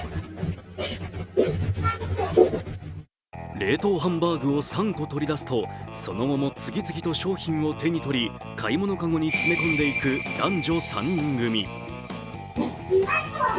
冷凍ハンバーグを３個取り出すとその後も次々と商品を手に取り買い物かごに詰め込んでいく男女３人組。